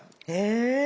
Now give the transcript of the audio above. え。